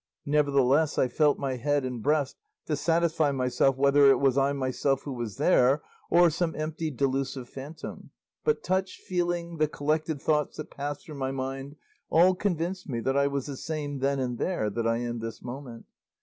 Nevertheless, I felt my head and breast to satisfy myself whether it was I myself who was there or some empty delusive phantom; but touch, feeling, the collected thoughts that passed through my mind, all convinced me that I was the same then and there that I am this moment.